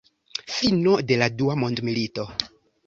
Fino de la Dua mondmilito.